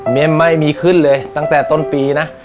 ไม่ค่อยที่มีขึ้นเลยตั้งแต่ต้นปีนะ